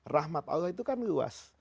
rahmat allah itu kan luas